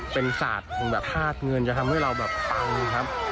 เป็นศาสตร์ของแบบธาตุเงินจะทำให้เราแบบปังครับ